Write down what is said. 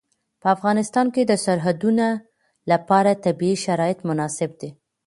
په افغانستان کې د سرحدونه لپاره طبیعي شرایط مناسب دي.